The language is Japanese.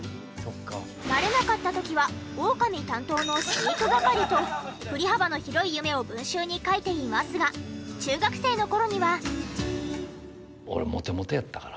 なれなかった時はオオカミ担当の飼育係と振り幅の広い夢を文集に書いていますが中学生の頃には。